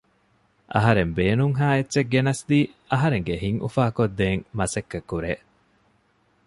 އަހަރެން ބޭނުންހާ އެއްޗެއް ގެނަސްދީ އަހަރެންގެ ހިތް އުފާ ކޮށްދޭން މަސައްކަތް ކުރޭ